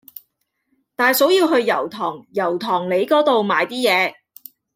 大嫂要去油塘油塘里嗰度買啲嘢